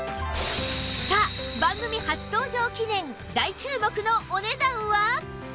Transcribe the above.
さあ番組初登場記念大注目のお値段は